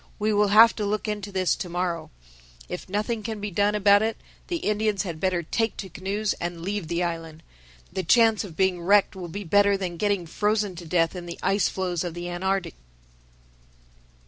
We will have to look into this to morrow. If nothing can be done about it, the Indians had better take to canoes and leave the island. The chance of being wrecked will be better than getting frozen to death in the ice floes of the Antarctic."